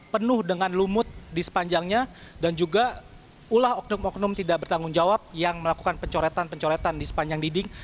penuh dengan lumut di sepanjangnya dan juga ulah oknum oknum tidak bertanggung jawab yang melakukan pencoretan pencoretan di sepanjang dinding